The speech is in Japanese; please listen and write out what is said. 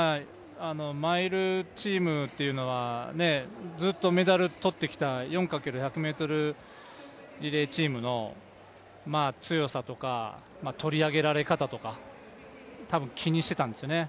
マイルチームというのはずっとメダル取ってきた４×１００ｍリレーチームの強さとか、取り上げられ方とか、多分気にしてたんですよね。